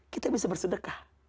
kita bisa bersedekah